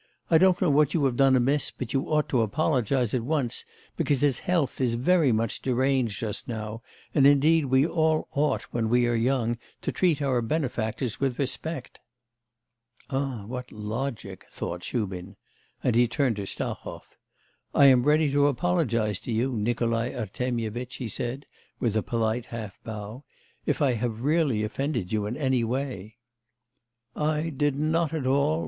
I don't know what you have done amiss, but you ought to apologise at once, because his health is very much deranged just now, and indeed we all ought when we are young to treat our benefactors with respect.' 'Ah, what logic!' thought Shubin, and he turned to Stahov. 'I am ready to apologise to you, Nikolai Artemyevitch,' he said with a polite half bow, 'if I have really offended you in any way.' 'I did not at all...